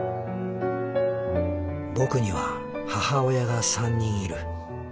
僕には母親が３人いる。